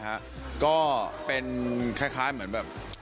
โอ้ก็พร้อมครับครับ